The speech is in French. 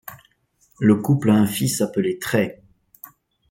Le couple a un fils appelé Trey.